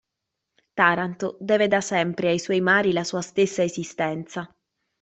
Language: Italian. Taranto deve da sempre ai suoi mari la sua stessa esistenza.